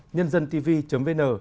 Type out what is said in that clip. nhân dân tv vn